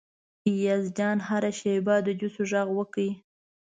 ایاز جان هره شیبه د جوسو غږ وکړي.